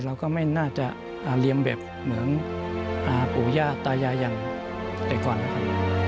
เราก็ไม่น่าจะเรียนแบบเหมือนปู่ย่าตายายอย่างแต่ก่อนนะครับ